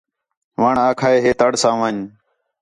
وݨ آکھا ہِے ہِے تڑ ساں وَن٘ڄ